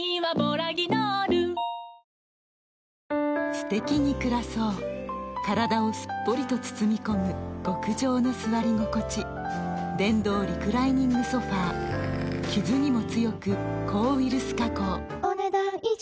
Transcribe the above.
すてきに暮らそう体をすっぽりと包み込む極上の座り心地電動リクライニングソファ傷にも強く抗ウイルス加工お、ねだん以上。